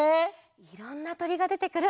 いろんなとりがでてくる